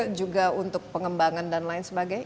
atau juga untuk pengembangan dan lain sebagainya